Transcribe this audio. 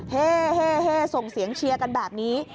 เฮ่ส่งเสียงเชียร์กันแบบนี้